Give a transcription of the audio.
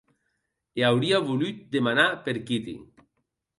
E aurie volut demanar per Kitty.